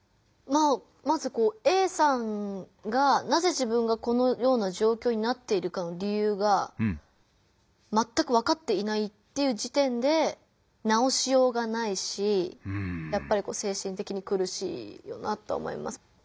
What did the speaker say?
まずＡさんがなぜ自分がこのような状況になっているか理由がまったくわかっていないっていう時点で直しようがないし精神的にくるしいよなとは思います。